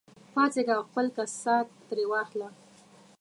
پاڅېږه او خپل کسات ترې واخله.